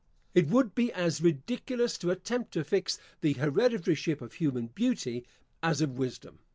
It would be as ridiculous to attempt to fix the hereditaryship of human beauty, as of wisdom.